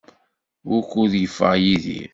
Wukud yeffeɣ Yidir?